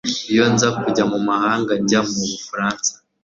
Iyo nza kujya mu mahanga njya mu Bufaransa